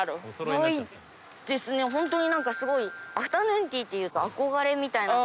ホントに何かすごいアフタヌーンティーっていうと憧れみたいな。